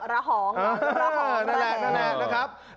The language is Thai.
ระหองระหองระแหง